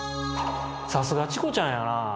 さすがチコちゃんやなあ。